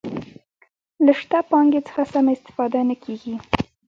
له شته پانګې څخه سمه استفاده نه کیږي.